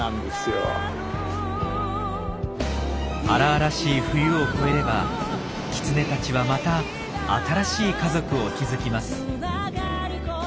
荒々しい冬を越えればキツネたちはまた新しい家族を築きます。